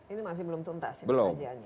ini masih belum tuntas belum